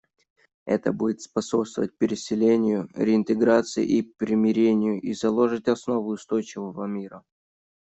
Это будет способствовать переселению, реинтеграции и примирению и заложит основы устойчивого мира.